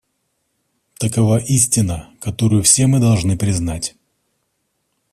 Такова истина, которую все мы должны признать.